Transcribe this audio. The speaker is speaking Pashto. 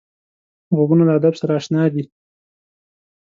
غوږونه له ادب سره اشنا دي